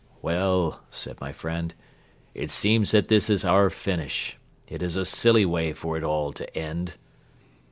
"Well," said my friend, "it seems that this is our finish. It is a silly way for it all to end."